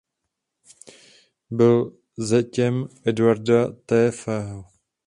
Byl zetěm Eduarda Taaffeho.